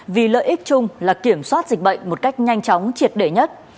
vì lợi ích chung là kiểm soát dịch bệnh một cách nhanh chóng triệt để nhất